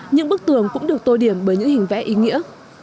những bức tường cũng được tô điểm bởi những hình vẽ ý nghĩa